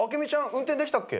運転できたっけ？